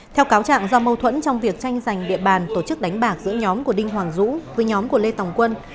theo cáo trạng do mâu thuẫn trong việc tranh giành địa bàn tổ chức đánh bạc giữa nhóm của đinh hoàng dũng với nhóm của lê tòng quân